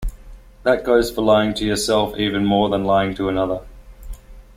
That goes for lying to yourself even more than lying to another.